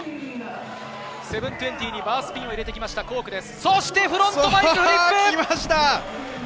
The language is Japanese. ７２０にバースピンを入れてきました、コークです。